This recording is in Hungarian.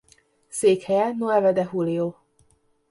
Székhelye Nueve de Julio.